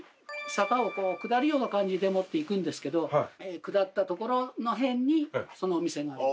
坂をこう下るような感じでもって行くんですけど下った所の辺にそのお店がある。